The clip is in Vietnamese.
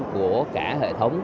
của cả hệ thống